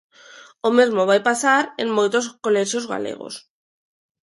O mesmo vai pasar en moitos colexios galegos.